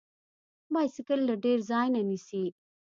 بایسکل له ډیر ځای نه نیسي.